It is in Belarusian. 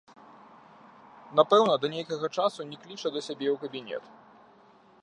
Напэўна, да нейкага часу не кліча да сябе ў кабінет.